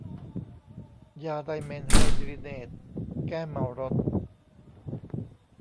ยาไดเมนไฮดริเนท แก้เมารถ